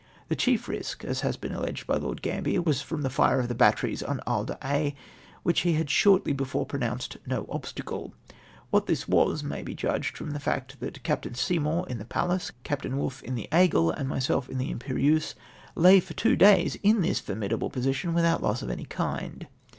The chief risk, as has been aUeged by Lord Gambier, was from the fire of the batteries on He d'Aix, which he had shortly before pronounced " no obstacle.'"' What this was, may be judged from the fact that Captain Seymour, in the Pallas, Captam Woolfe, in the Aigle, and myself in the Imperieuse, lay for two days in this formidable position without loss of any kind.